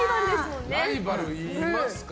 ライバルいますか？